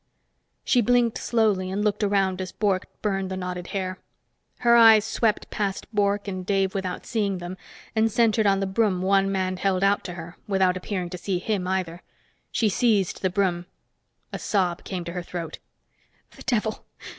She blinked slowly and looked around as Bork burned the knotted hair. Her eyes swept past Bork and Dave without seeing them and centered on the broom one man held out to her, without appearing to see him, either. She seized the broom. A sob came to her throat. "The devil!